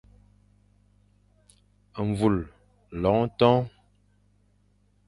Mvul, loñ ton.